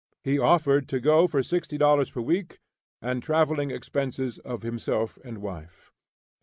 He offered to go for $60 per week and traveling expenses of himself and wife.